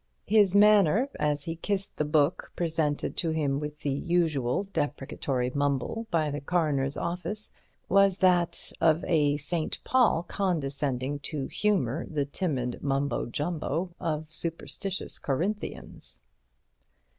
His manner as he kissed the Book presented to him with the usual deprecatory mumble by the Coroner's officer, was that of a St. Paul condescending to humour the timid mumbo jumbo of superstitious Corinthians.